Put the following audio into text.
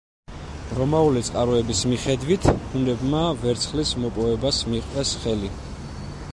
რომაული წყაროების მიხედვით, ჰუნებმა ვერცხლის მოპოვებას მიჰყვეს ხელი.